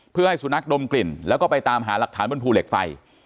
เพื่อให้สุนัขดมกลิ่นแล้วก็ไปตามหาหลักฐานบนภูเหล็กไฟ